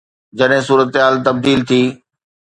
جڏهن صورتحال تبديل ٿي.